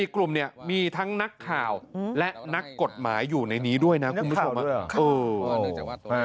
กลุ่มเนี่ยมีทั้งนักข่าวและนักกฎหมายอยู่ในนี้ด้วยนะคุณผู้ชม